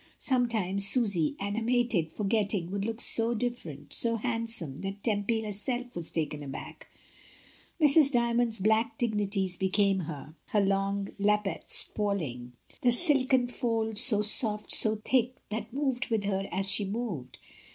Sometimes Susy, animated, forgetting, would look so different, so handsome, that Tempy herself was taken aback. Mrs. Djnnond's black dignities became her — the long lappets falling, the 74 MRS. DYMOND. silken folds so soft, so thick, that moved with her as she moved.